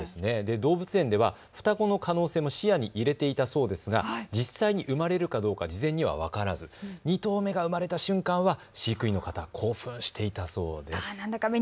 動物園では双子の可能性も視野に入れていたそうですが実際に生まれるかどうか事前には分からず２頭目が生まれた瞬間は飼育員の方、興奮していたそうです。